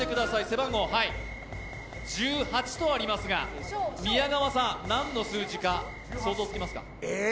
背番号１８とありますが、宮川さん何の数字か想像つきますか？